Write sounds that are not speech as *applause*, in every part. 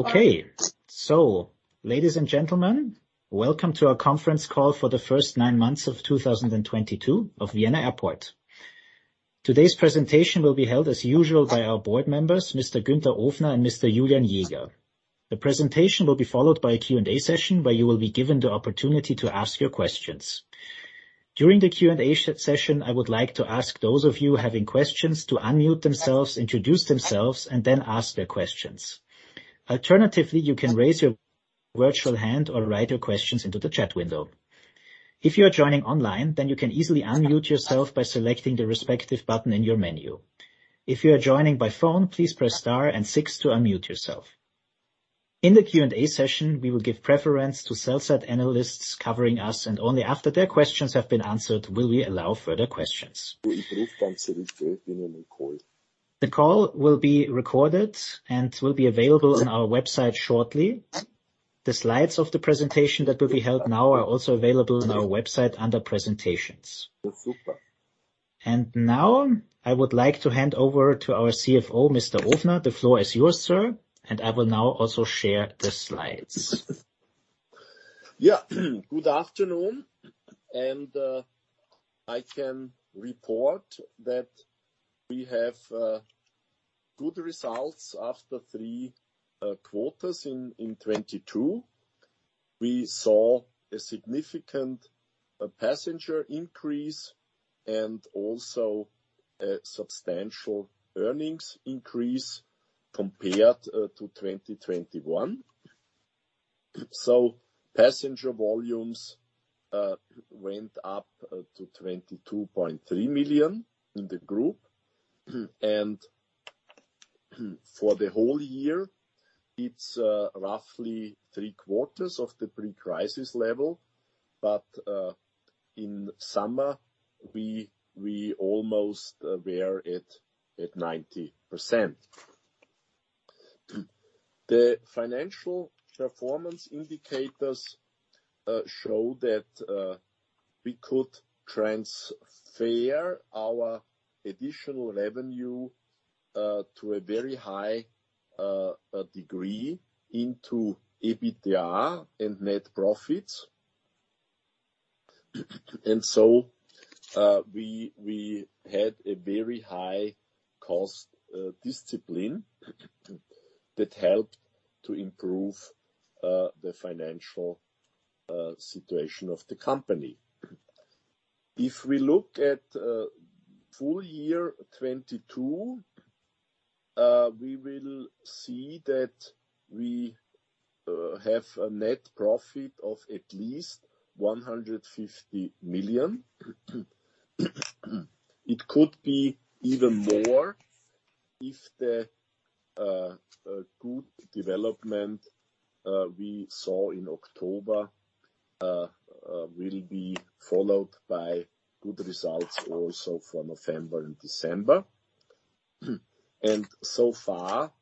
Okay. Ladies and gentlemen, welcome to our conference call for the first 9 months of 2022 of Vienna Airport. Today's presentation will be held as usual by our board members, Mr. Günther Ofner and Mr. Julian Jäger. The presentation will be followed by a Q&A session where you will be given the opportunity to ask your questions. During the Q&A session, I would like to ask those of you having questions to unmute themselves, introduce themselves, and then ask their questions. Alternatively, you can raise your virtual hand or write your questions into the chat window. If you are joining online, then you can easily unmute yourself by selecting the respective button in your menu. If you are joining by phone, please press star and six to unmute yourself. In the Q&A session, we will give preference to sell-side analysts covering us, and only after their questions have been answered will we allow further questions. The call will be recorded and will be available on our website shortly. The slides of the presentation that will be held now are also available on our website under presentations. *audio distortion* Now I would like to hand over to our CFO, Mr. Ofner. The floor is yours, sir. I will now also share the slides. Yeah. Good afternoon. I can report that we have good results after three quarters in 2022. We saw a significant passenger increase and also a substantial earnings increase compared to 2021. Passenger volumes went up to 22.3 million in the group. For the whole year, it's roughly three-quarters of the pre-crisis level. In summer, we almost were at 90%. The financial performance indicators show that we could transfer our additional revenue to a very high degree into EBITDA and net profits. We had a very high cost discipline that helped to improve the financial situation of the company. If we look at full year 2022, we will see that we have a net profit of at least 150 million. It could be even more if the good development we saw in October will be followed by good results also for November and December. So far,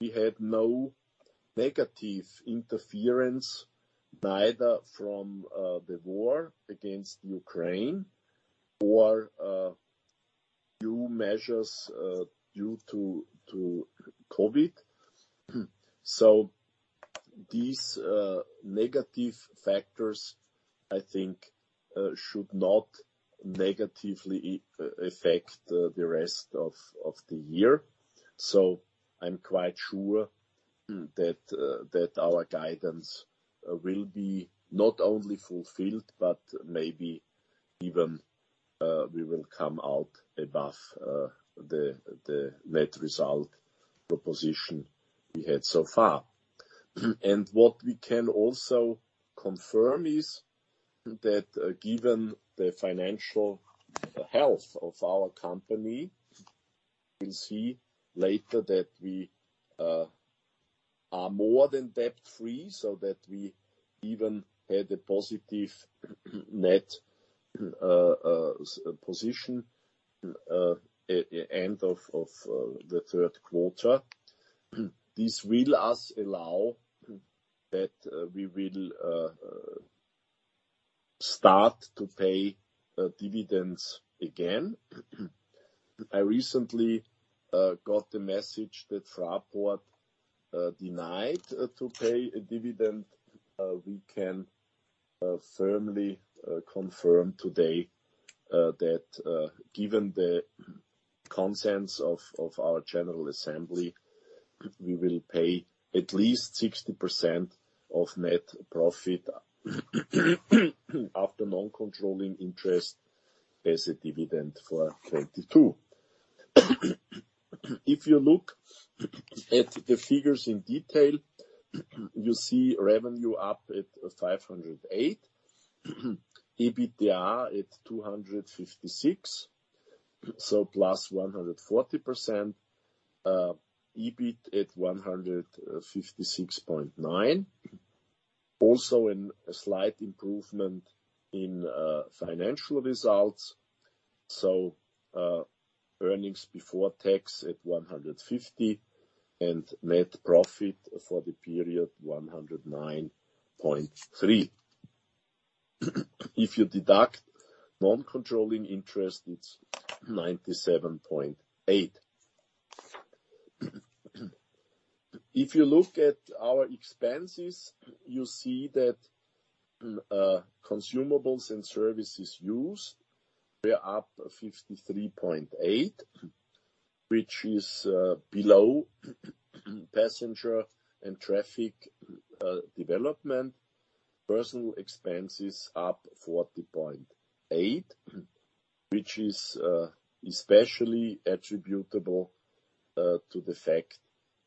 we had no negative interference, neither from the war against Ukraine or new measures due to COVID. These negative factors, I think, should not negatively affect the rest of the year. I'm quite sure that our guidance will be not only fulfilled, but maybe even we will come out above the net result proposition we had so far. What we can also confirm is that given the financial health of our company, we'll see later that we are more than debt-free, so that we even had a positive net cash position at end of the Q3. This will allow us to start to pay dividends again. I recently got the message that Fraport decided not to pay a dividend. We can firmly confirm today that given the consent of our general assembly, we will pay at least 60% of net profit after non-controlling interest as a dividend for 2022. If you look at the figures in detail, you see revenue up at 508, EBITDA at 256, so +140%, EBIT at 156.9. Also in a slight improvement in financial results, so earnings before tax at 150, and net profit for the period, 109.3. If you deduct non-controlling interest, it's EUR 97.8. If you look at our expenses, you see that consumables and services used were up 53.8, which is below passenger and traffic development. Personal expenses up 40.8, which is especially attributable to the fact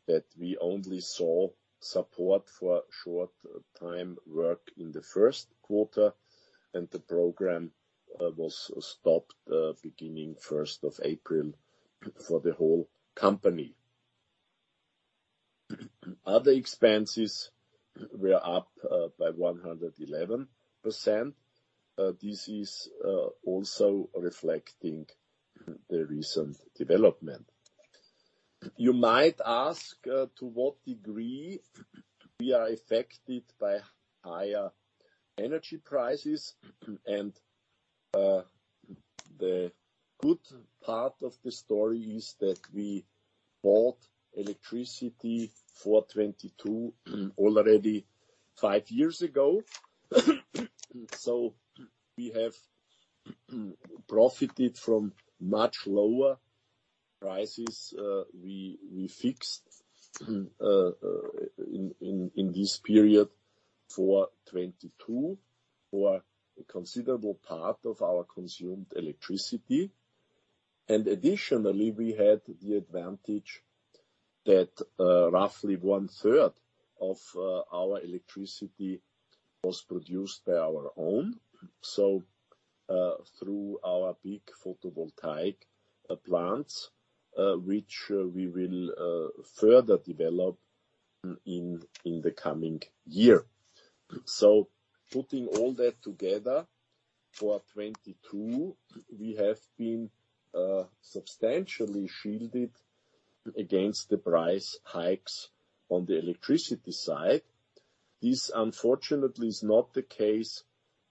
that we only saw support for short-time work in the Q1, and the program was stopped beginning first of April for the whole company. Other expenses were up by 111%. This is also reflecting the recent development. You might ask to what degree we are affected by higher energy prices. The good part of the story is that we bought electricity for 2022 already five years ago. We have profited from much lower prices. We fixed in this period for 2022 for a considerable part of our consumed electricity. Additionally, we had the advantage that roughly one-third of our electricity was produced by our own. Through our big photovoltaic plants, which we will further develop in the coming year. Putting all that together for 2022, we have been substantially shielded against the price hikes on the electricity side. This, unfortunately, is not the case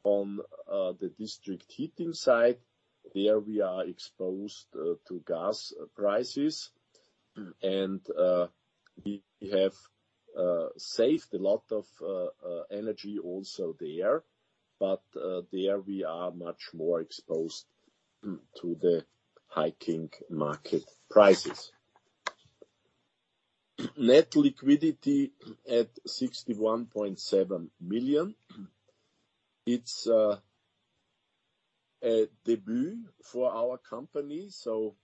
on the district heating side. There we are exposed to gas prices, and we have saved a lot of energy also there, but there we are much more exposed to the hiking market prices. Net liquidity at 61.7 million. It's a debut for our company, so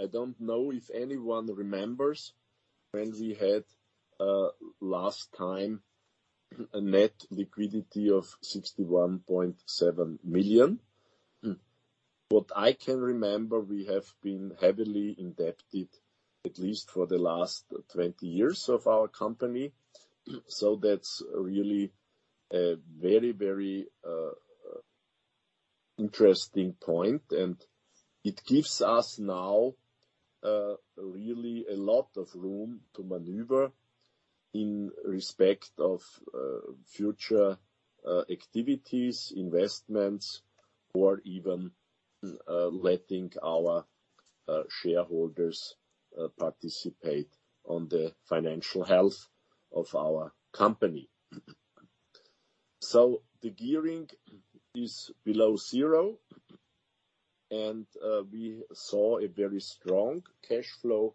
I don't know if anyone remembers when we had last time a net liquidity of 61.7 million. What I can remember, we have been heavily indebted at least for the last 20 years of our company, so that's really a very interesting point. It gives us now really a lot of room to maneuver in respect of future activities, investments, or even letting our shareholders participate on the financial health of our company. The gearing is below zero, and we saw a very strong cash flow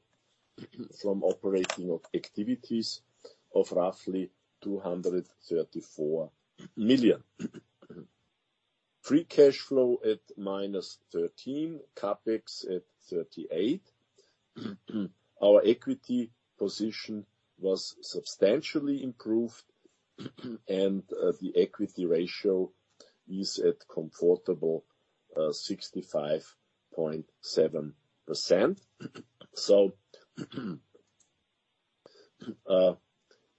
from operating activities of roughly 234 million. Free cash flow at -13 million, CapEx at 38 million. Our equity position was substantially improved, and the equity ratio is at comfortable 65.7%.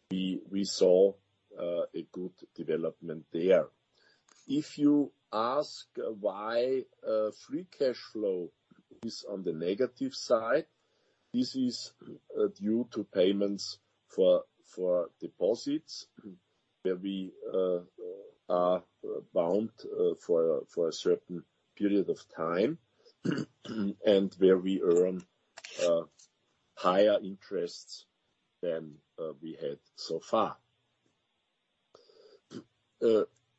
We saw a good development there. If you ask why free cash flow is on the negative side, this is due to payments for deposits where we are bound for a certain period of time, and where we earn higher interests than we had so far.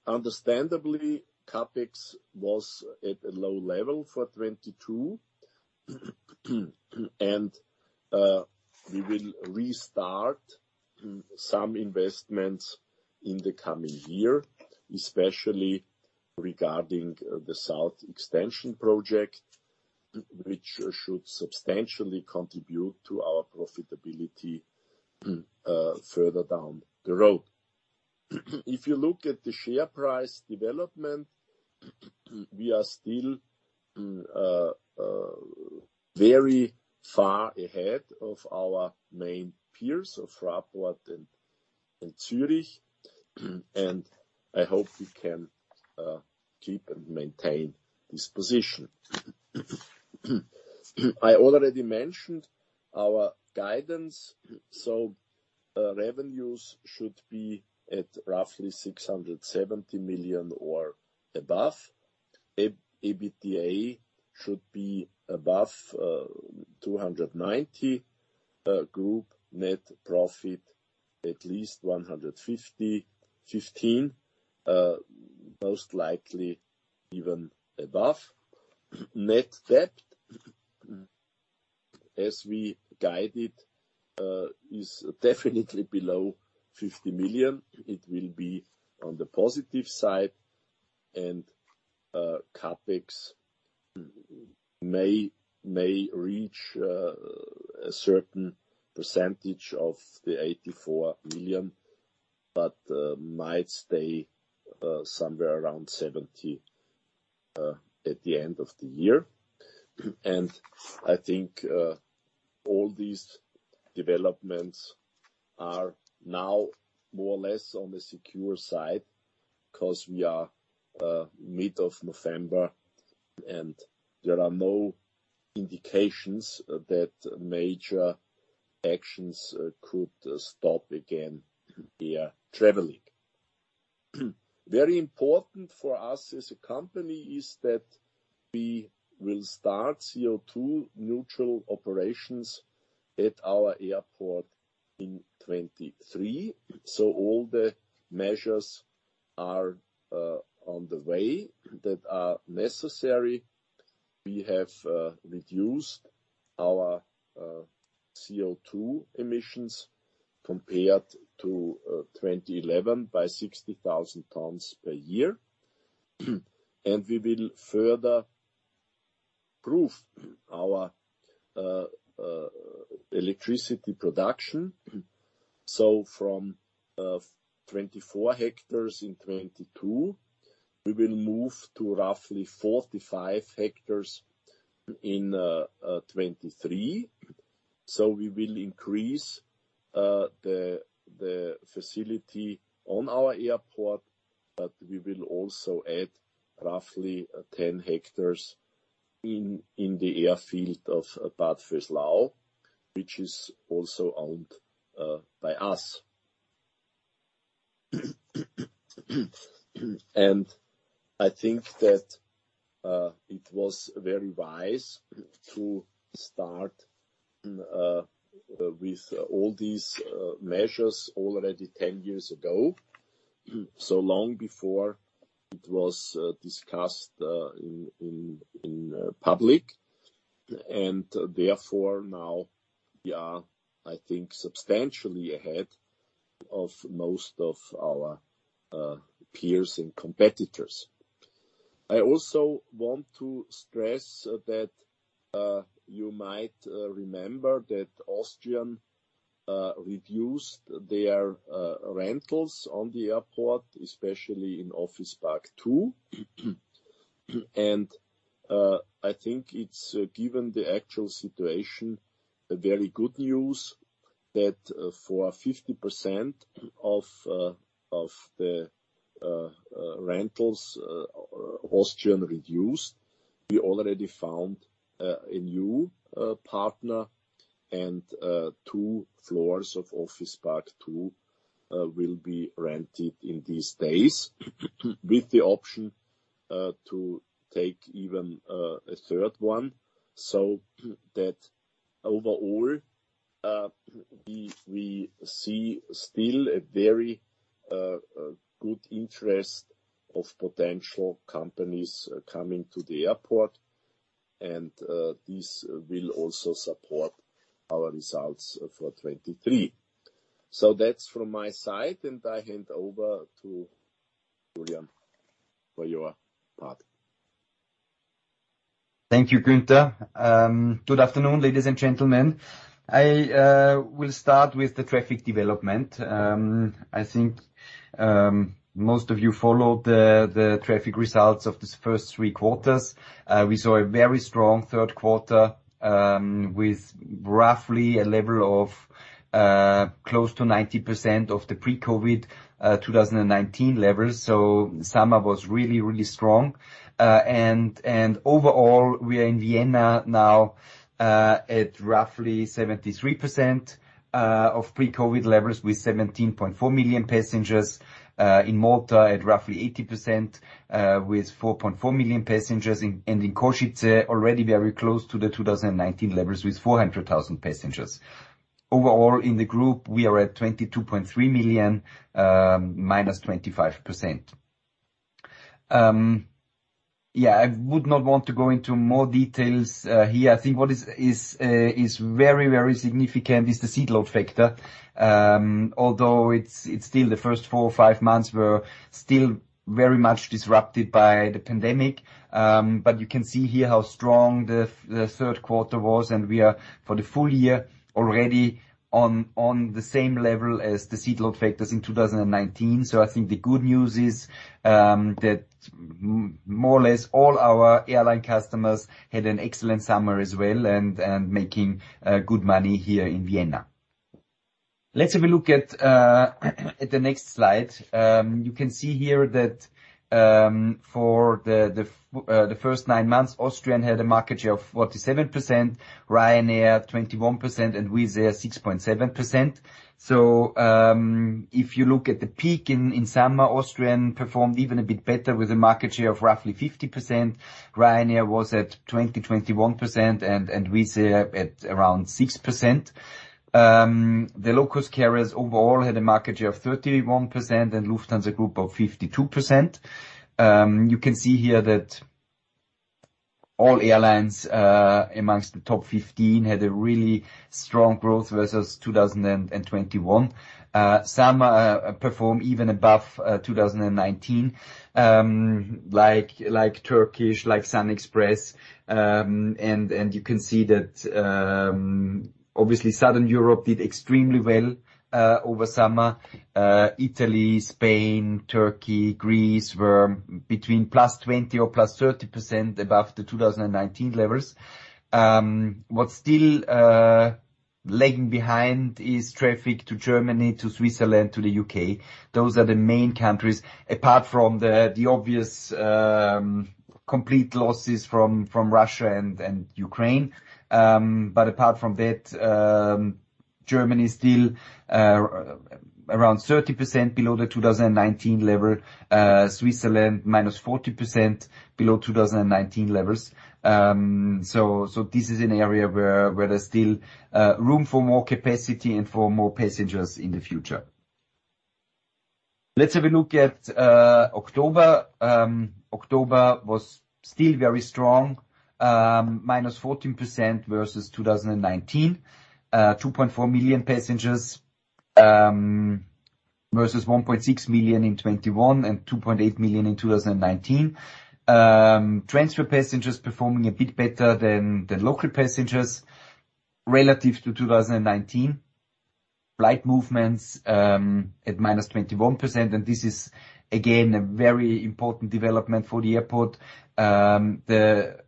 Understandably, CapEx was at a low level for 2022, and we will restart some investments in the coming year, especially regarding the south extension project, which should substantially contribute to our profitability further down the road. If you look at the share price development, we are still very far ahead of our main peers, of Raiffeisen and Zurich, and I hope we can keep and maintain this position. I already mentioned our guidance. Revenues should be at roughly 670 million or above. EBITDA should be above 290. Group net profit at least 155, most likely even above. Net debt, as we guided, is definitely below 50 million. It will be on the positive side and CapEx may reach a certain percentage of the 84 million, but might stay somewhere around 70 million at the end of the year. I think all these developments are now more or less on the secure side 'cause we are mid-November and there are no indications that major actions could stop again the traveling. Very important for us as a company is that we will start CO2 neutral operations at our airport in 2023. All the measures are on the way that are necessary. We have reduced our CO2 emissions compared to 2011 by 60,000 tons per year. We will further improve our electricity production. From 24 hectares in 2022, we will move to roughly 45 hectares in 2023. We will increase the facility on our airport, but we will also add roughly 10 hectares in the airfield of Bad Vöslau, which is also owned by us. I think that it was very wise to start with all these measures already 10 years ago, so long before it was discussed in public. Therefore, now we are, I think, substantially ahead of most of our peers and competitors. I also want to stress that you might remember that Austrian reduced their rentals on the airport, especially in Office Park 2. I think it's, given the actual situation, a very good news that for 50% of the rentals Austrian reduced, we already found a new partner, and two floors of Office Park 2 will be rented in these days with the option to take even a third one. That overall, we see still a very good interest of potential companies coming to the airport, and this will also support our results for 2023. That's from my side, and I hand over to Julian for your part. Thank you, Günther. Good afternoon, ladies and gentlemen. I will start with the traffic development. I think most of you followed the traffic results of these first three quarters. We saw a very strong Q3 with roughly a level of close to 90% of the pre-COVID 2019 levels. Summer was really strong. Overall, we are in Vienna now at roughly 73% of pre-COVID levels with 17.4 million passengers in Malta at roughly 80% with 4.4 million passengers, and in Košice already very close to the 2019 levels with 400,000 passengers. Overall, in the group, we are at 22.3 million minus 25%. I would not want to go into more details here. I think what is very significant is the seat load factor. Although it's still the first four or five months were still very much disrupted by the pandemic. But you can see here how strong the Q3 was, and we are, for the full year, already on the same level as the seat load factors in 2019. I think the good news is that more or less all our airline customers had an excellent summer as well and making good money here in Vienna. Let's have a look at the next slide. You can see here that for the first nine months, Austrian had a market share of 47%, Ryanair 21%, and Wizz Air 6.7%. If you look at the peak in summer, Austrian performed even a bit better with a market share of roughly 50%. Ryanair was at twenty-one percent and Wizz Air at around 6%. The low-cost carriers overall had a market share of 31% and Lufthansa Group of 52%. You can see here that all airlines amongst the top 15 had a really strong growth versus 2021. Some perform even above 2019 like Turkish like SunExpress. You can see that obviously Southern Europe did extremely well over summer. Italy, Spain, Turkey, Greece were between +20 or +30% above the 2019 levels. What's still lagging behind is traffic to Germany, to Switzerland, to the U.K. Those are the main countries, apart from the obvious complete losses from Russia and Ukraine. Apart from that, Germany is still around 30% below the 2019 level, Switzerland -40% below 2019 levels. This is an area where there's still room for more capacity and for more passengers in the future. Let's have a look at October. October was still very strong, -14% versus 2019. 2.4 million passengers versus 1.6 million in 2021 and 2.8 million in 2019. Transfer passengers performing a bit better than local passengers relative to 2019. Flight movements at -21%, and this is again a very important development for the airport. The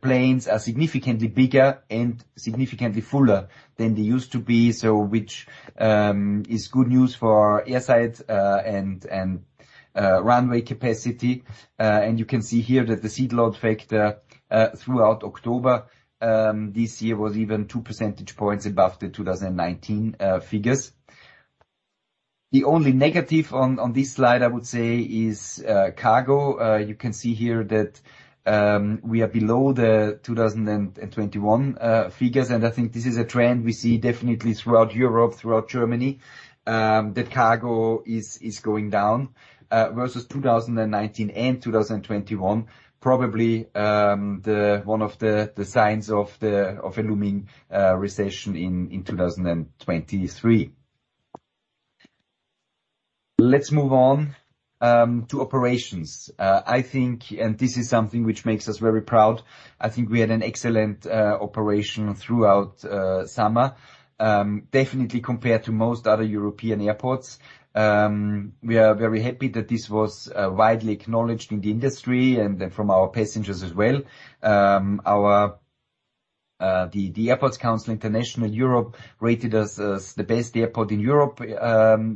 planes are significantly bigger and significantly fuller than they used to be, so which is good news for airside and runway capacity. You can see here that the seat load factor throughout October this year was even 2 percentage points above the 2019 figures. The only negative on this slide, I would say, is cargo. You can see here that we are below the 2021 figures, and I think this is a trend we see definitely throughout Europe, throughout Germany, that cargo is going down versus 2019 and 2021. Probably one of the signs of a looming recession in 2023. Let's move on to operations. I think this is something which makes us very proud. I think we had an excellent operation throughout summer. Definitely compared to most other European airports. We are very happy that this was widely acknowledged in the industry and then from our passengers as well. Our Airports Council International Europe rated us as the best airport in Europe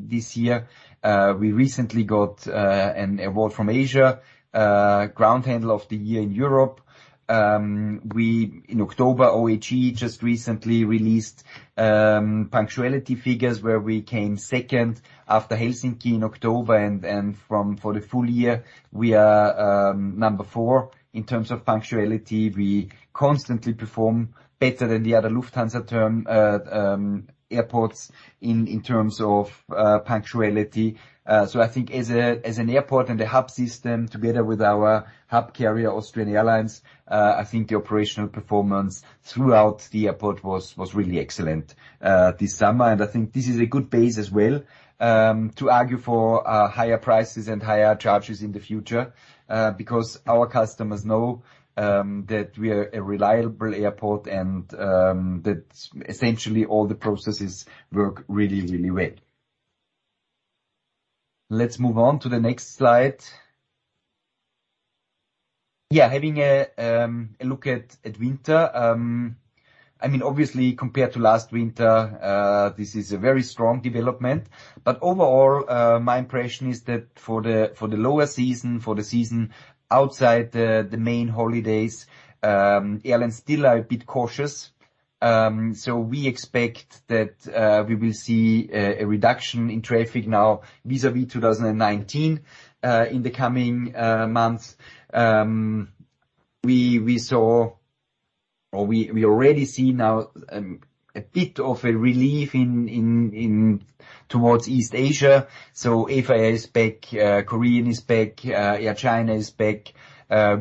this year. We recently got an award from Asia, Ground Handler of the Year in Europe. In October, OAG just recently released punctuality figures where we came second after Helsinki in October and for the full year, we are number four in terms of punctuality. We constantly perform better than the other Lufthansa Group airports in terms of punctuality. I think as an airport and a hub system, together with our hub carrier, Austrian Airlines, the operational performance throughout the airport was really excellent this summer. I think this is a good base as well to argue for higher prices and higher charges in the future because our customers know that we are a reliable airport and that essentially all the processes work really, really well. Let's move on to the next slide. Having a look at winter, I mean, obviously compared to last winter, this is a very strong development. Overall, my impression is that for the lower season, for the season outside the main holidays, airlines still are a bit cautious. We expect that we will see a reduction in traffic now vis-à-vis 2019 in the coming months. We already see now a bit of a relief towards East Asia. I expect Korean Air is back, Air China is back,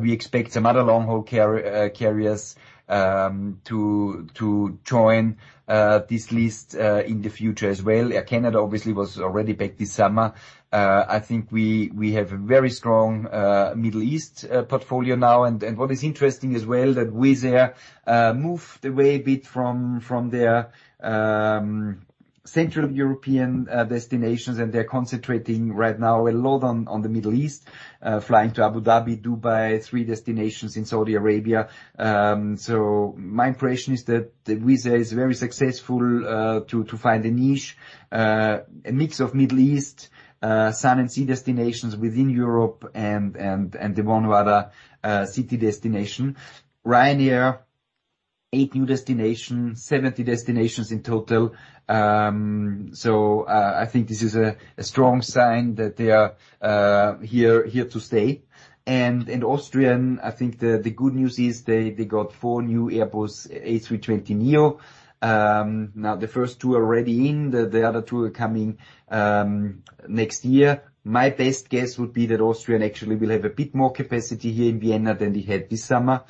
we expect some other long-haul carriers to join this list in the future as well. Air Canada obviously was already back this summer. I think we have a very strong Middle East portfolio now. What is interesting as well that Wizz Air moved away a bit from their Central European destinations, and they're concentrating right now a lot on the Middle East, flying to Abu Dhabi, Dubai, three destinations in Saudi Arabia. So my impression is that Wizz Air is very successful to find a niche, a mix of Middle East, sun and sea destinations within Europe and the one or other city destination. Ryanair, 8 new destinations, 70 destinations in total. I think this is a strong sign that they are here to stay. In Austrian, I think the good news is they got 4 new Airbus A320neo. Now the first two are already in, the other two are coming next year. My best guess would be that Austrian actually will have a bit more capacity here in Vienna than they had this summer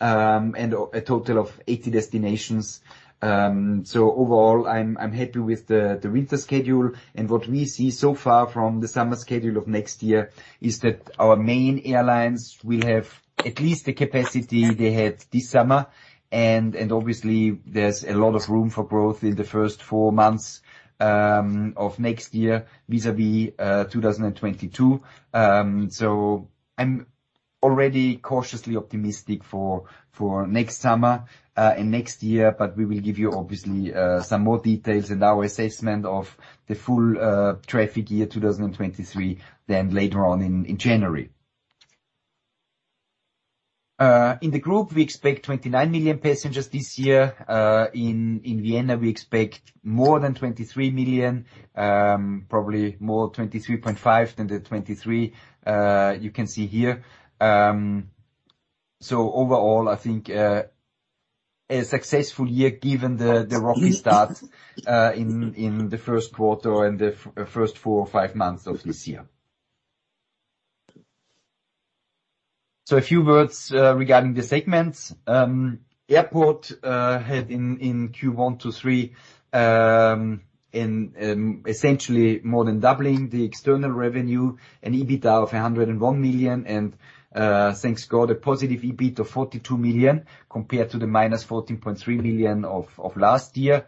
and a total of 80 destinations. Overall, I'm happy with the winter schedule. What we see so far from the summer schedule of next year is that our main airlines will have at least the capacity they had this summer. Obviously, there's a lot of room for growth in the first four months of next year vis-à-vis 2022. I'm already cautiously optimistic for next summer and next year. We will give you obviously some more details and our assessment of the full traffic year 2023 then later on in January. In the group, we expect 29 million passengers this year. In Vienna, we expect more than 23 million, probably more 23.5 than the 23, you can see here. Overall, I think a successful year given the rocky start in the Q1 and the first four or five months of this year. A few words regarding the segments. Airport had in Q1 to Q3 essentially more than doubling the external revenue, an EBITDA of 101 million, and thank God, a positive EBIT of 42 million compared to the minus 14.3 million of last year.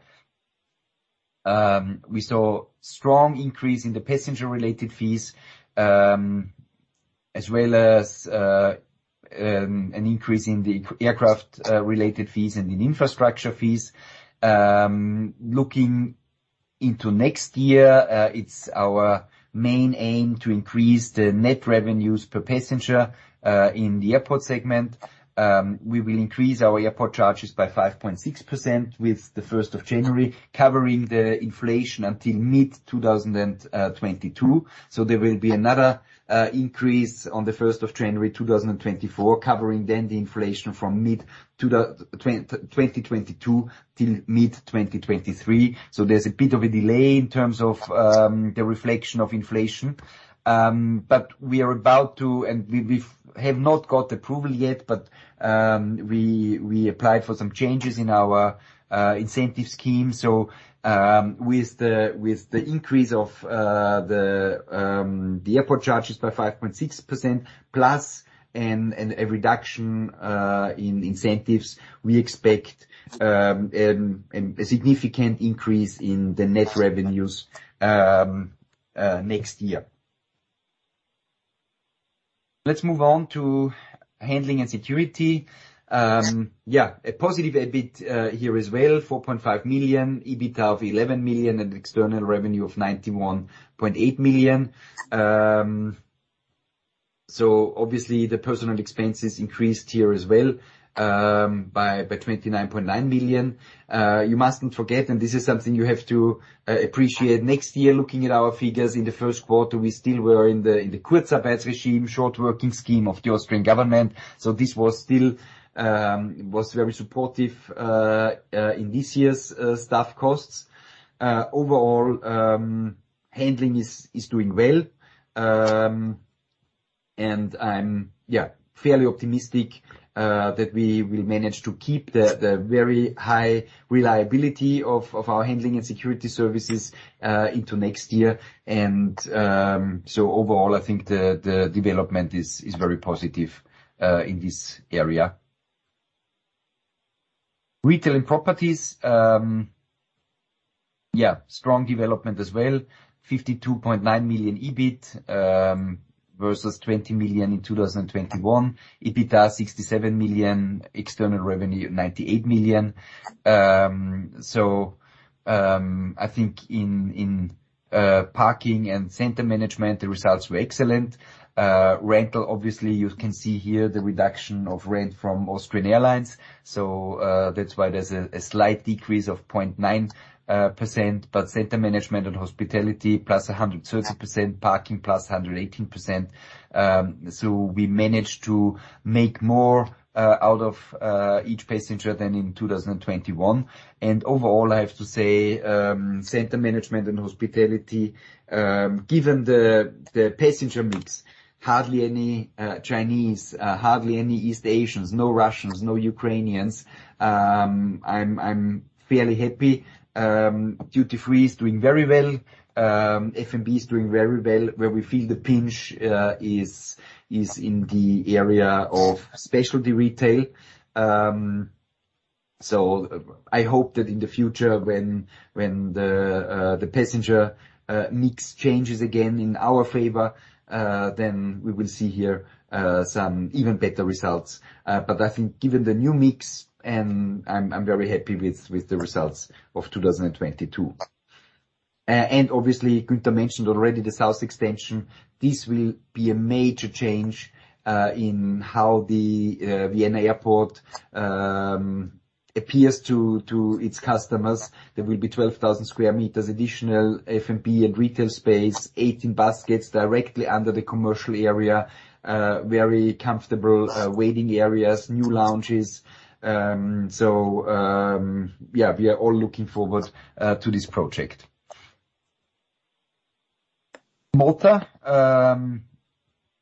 We saw strong increase in the passenger-related fees as well as an increase in the aircraft related fees and in infrastructure fees. Looking into next year, it's our main aim to increase the net revenues per passenger in the airport segment. We will increase our airport charges by 5.6% with the first of January, covering the inflation until mid-2022. There will be another increase on the first of January 2024, covering then the inflation from mid-2022 till mid-2023. There's a bit of a delay in terms of the reflection of inflation. We are about to, and we have not got approval yet, but we applied for some changes in our incentive scheme. With the increase of the airport charges by 5.6% plus a reduction in incentives, we expect a significant increase in the net revenues next year. Let's move on to handling and security. Yeah, a positive EBIT here as well, 4.5 million, EBITDA of 11 million, and external revenue of 91.8 million. Personnel expenses increased here as well by 29.9 million. You mustn't forget, and this is something you have to appreciate. Next year, looking at our figures in the Q1, we still were in the Kurzarbeit regime, short working scheme of the Austrian government. This was still very supportive in this year's staff costs. Overall, handling is doing well. I'm, yeah, fairly optimistic that we will manage to keep the very high reliability of our handling and security services into next year. Overall, I think the development is very positive in this area. Retail and properties, strong development as well. 52.9 million EBIT versus 20 million in 2021. EBITDA, 67 million, external revenue, 98 million. I think in parking and center management, the results were excellent. Rental, obviously you can see here the reduction of rent from Austrian Airlines. That's why there's a slight decrease of 0.9%. Center management and hospitality, +130%, parking +118%. We managed to make more out of each passenger than in 2021. Overall, I have to say, center management and hospitality, given the passenger mix, hardly any Chinese, hardly any East Asians, no Russians, no Ukrainians, I'm fairly happy. Duty-free is doing very well. F&B is doing very well. Where we feel the pinch is in the area of specialty retail. So I hope that in the future when the passenger mix changes again in our favor, then we will see here some even better results. But I think given the new mix and I'm very happy with the results of 2022. Obviously, Günther mentioned already the South extension. This will be a major change in how the Vienna Airport appears to its customers. There will be 12,000 square meters additional F&B and retail space, 18 bus gates directly under the commercial area, very comfortable waiting areas, new lounges. We are all looking forward to this project. Malta International Airport,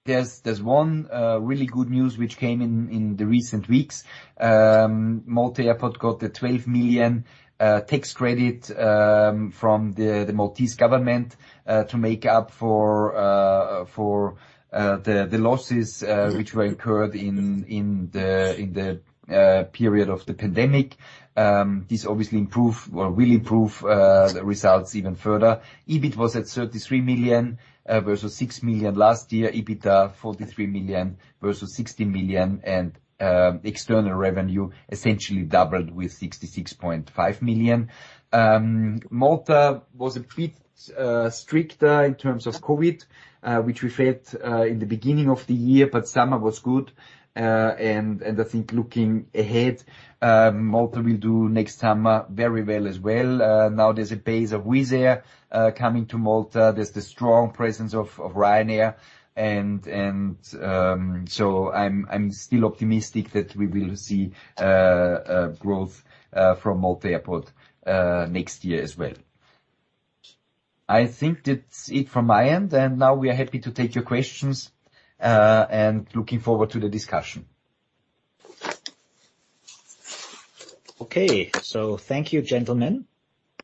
there's one really good news which came in the recent weeks. Malta International Airport got a 12 million tax credit from the Maltese government to make up for the losses which were incurred in the period of the pandemic. This obviously improve or will improve the results even further. EBITDA was at 33 million versus 6 million last year. EBITDA, 43 million versus 16 million. External revenue essentially doubled with 66.5 million. Malta was a bit stricter in terms of COVID, which we felt in the beginning of the year, but summer was good. I think looking ahead, Malta will do next summer very well as well. Now, there's a base of Wizz Air coming to Malta. There's the strong presence of Ryanair, so I'm still optimistic that we will see growth from Malta Airport next year as well. I think that's it from my end, and now we are happy to take your questions and looking forward to the discussion. Okay. Thank you, gentlemen.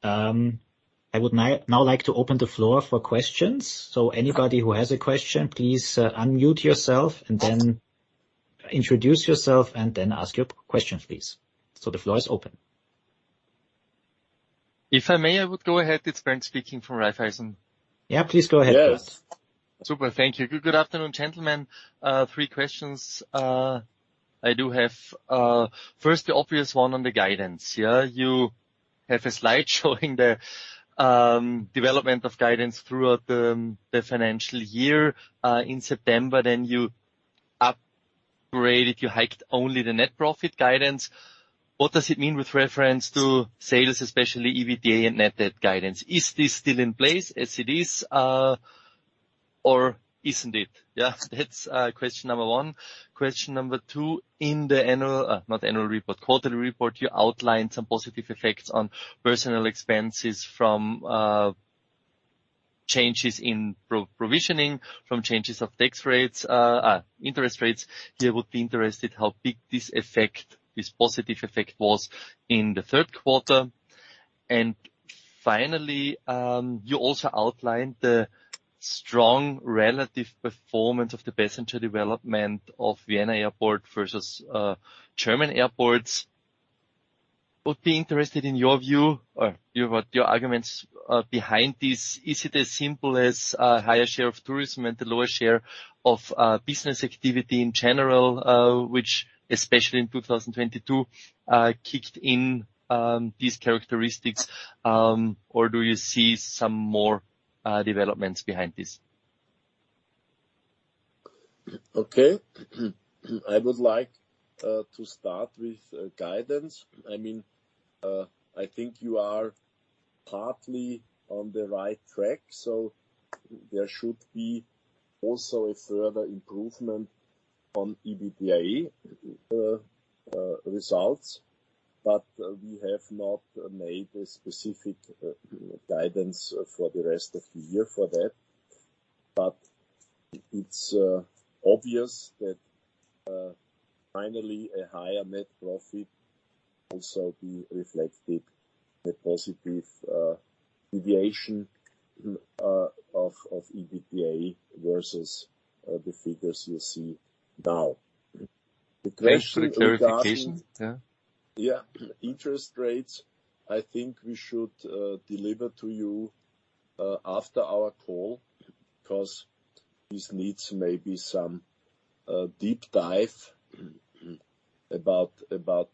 I would now like to open the floor for questions. Anybody who has a question, please unmute yourself and then introduce yourself, and then ask your question, please. The floor is open. If I may, I would go ahead. It's Bernd speaking from Raiffeisen. Yeah, please go ahead. Yes. Super. Thank you. Good afternoon, gentlemen. Three questions I do have. First, the obvious one on the guidance. Yeah, you have a slide showing the development of guidance throughout the financial year in September. Then you upgraded, you hiked only the net profit guidance. What does it mean with reference to sales, especially EBITDA and net debt guidance? Is this still in place as it is, or isn't it? Yeah, that's question number one. Question number two, in the quarterly report, you outlined some positive effects on personnel expenses from changes in provisioning, from changes of tax rates, interest rates. Here I would be interested how big this effect, this positive effect was in the Q3. Finally, you also outlined the strong relative performance of the passenger development of Vienna Airport versus German airports. Would be interested in your view or your arguments behind this. Is it as simple as a higher share of tourism and a lower share of business activity in general, which especially in 2022 kicked in these characteristics, or do you see some more developments behind this? Okay. I would like to start with guidance. I mean, I think you are partly on the right track, so there should be also a further improvement on EBITDA results. We have not made a specific guidance for the rest of the year for that. It's obvious that finally a higher net profit will also be reflected in the positive deviation of EBITDA versus the figures you see now. Thanks for the clarification. Yeah. Yeah. Interest rates, I think we should deliver to you after our call, 'cause this needs maybe some deep dive about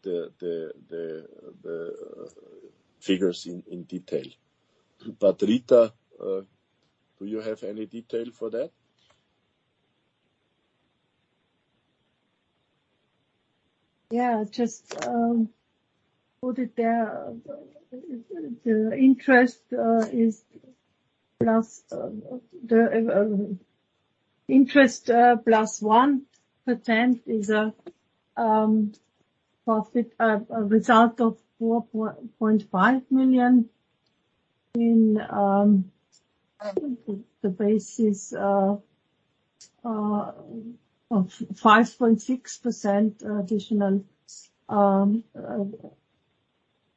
the figures in detail. Rita, do you have any detail for that? Yeah. Just put it there. The interest plus 1% is profit result of 4.5 million on the basis of 5.6% additional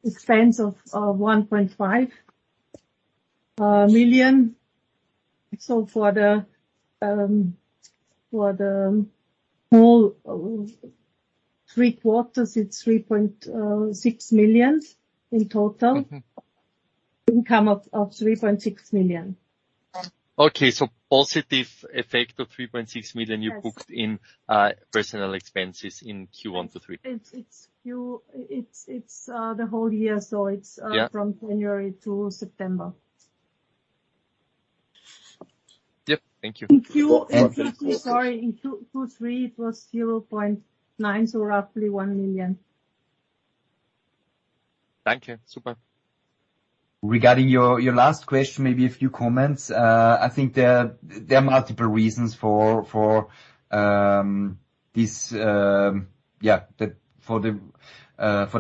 expense of EUR 1.5 million. For the whole three quarters, it's 3.6 million in total. Income of 3.6 million. Positive effect of 3.6 million- Yes You booked in personnel expenses in Q1 to Q3. It's the whole year, so it's. Yeah from January to September. Yep. Thank you. Sorry, in Q2 2023 it was 0.9, so roughly 1 million. Thank you. Super. Regarding your last question, maybe a few comments. I think there are multiple reasons for the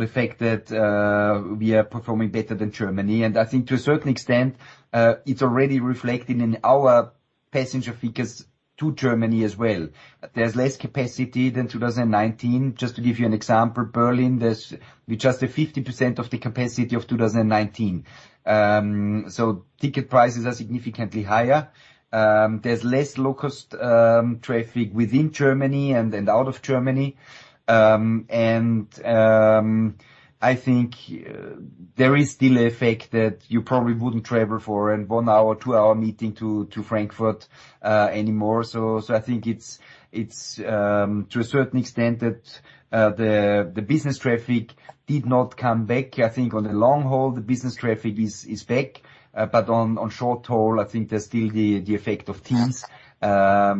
fact that we are performing better than Germany. I think to a certain extent, it's already reflected in our passenger figures to Germany as well. There's less capacity than 2019. Just to give you an example, Berlin, there's just 50% of the capacity of 2019. Ticket prices are significantly higher. There's less low-cost traffic within Germany and out of Germany. I think there is still a fact that you probably wouldn't travel for a one-hour, two-hour meeting to Frankfurt anymore. I think it's to a certain extent that the business traffic did not come back. I think on the long haul, the business traffic is back, but on short haul, I think there's still the effect of Teams. I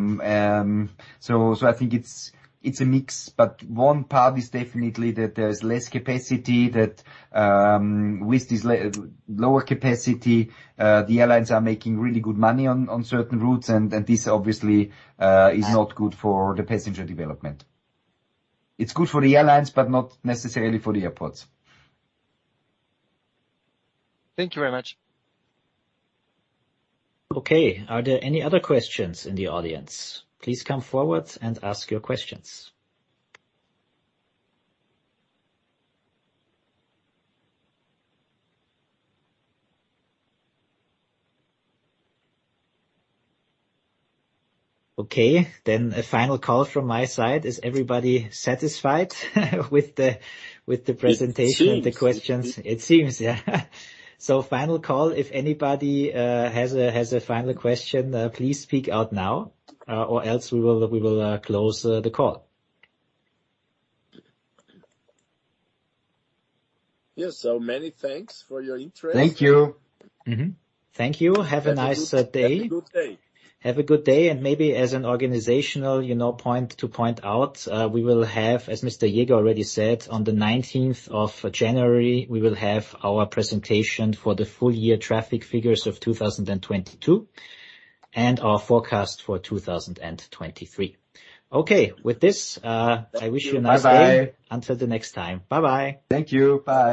think it's a mix, but one part is definitely that there's less capacity that with this lower capacity the airlines are making really good money on certain routes, and this obviously is not good for the passenger development. It's good for the airlines, but not necessarily for the airports. Thank you very much. Okay. Are there any other questions in the audience? Please come forward and ask your questions. Okay. A final call from my side. Is everybody satisfied with the presentation- It seems. the questions? It seems, yeah. Final call. If anybody has a final question, please speak out now, or else we will close the call. Yes. Many thanks for your interest. Thank you. Thank you. Have a nice day. Have a good day. Have a good day, and maybe as an organizational point to point out, we will have, as Mr. Jäger already said, on the 19th of January, we will have our presentation for the full year traffic figures of 2022 and our forecast for 2023. Okay. With this, I wish you a nice day. Bye-bye. Until the next time. Bye-bye. Thank you. Bye.